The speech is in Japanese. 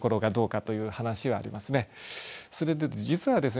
それで実はですね